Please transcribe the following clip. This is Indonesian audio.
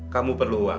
kamu perlu uang